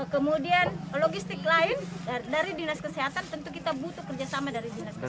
kemudian logistik lain dari dinas kesehatan tentu kita butuh kerjasama dari dinas kesehatan